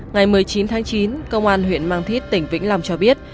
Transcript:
ngày một mươi chín tháng chín công an huyện màng thít tỉnh vĩnh lòng cho biết